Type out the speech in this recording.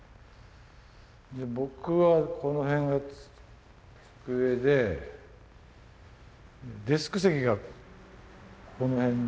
で僕はこの辺が机でデスク席がこの辺で。